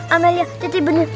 amelia titibun seluati